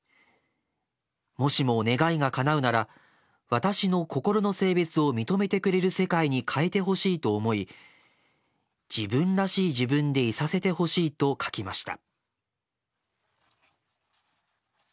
もしも願いが叶うなら私の心の性別を認めてくれる世界に変えて欲しいと思い『自分らしい自分でいさせてほしい』と書きました」。